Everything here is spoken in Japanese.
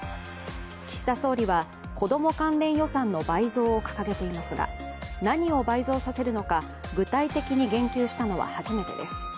岸田総理は、子ども関連予算の倍増を掲げていますが何を倍増させるのか、具体的に言及したのは初めてです。